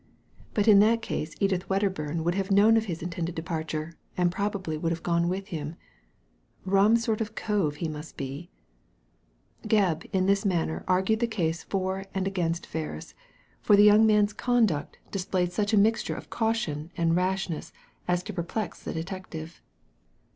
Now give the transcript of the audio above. But in that case Edith Wedderburn would have known of his intended departure, and probably would have gone with him. Rum sort of cove he must be." Gebb in this manner argued the case for and against Ferris, for the young man's conduct displayed Digitized by Google 132 THE LADY FROM NOWHERE such a mixture of caution and rashness as to perplex the detective.